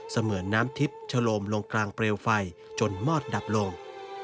เหมือนน้ำทิพย์ชะโลมลงกลางเปลวไฟจนมอดดับลง